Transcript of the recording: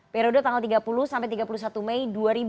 periode tanggal tiga puluh sampai tiga puluh satu mei dua ribu dua puluh